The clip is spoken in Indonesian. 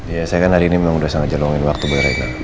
iya saya kan hari ini memang udah sangat jelongin waktu buat rena